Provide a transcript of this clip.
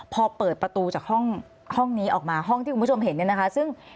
พอเปิดประตูจากห้องนี้ออกมาห้องที่คุณผู้ชมเห็นเนี่ยนะคะซึ่ง